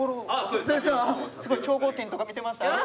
すごい『超合金』とか見てました。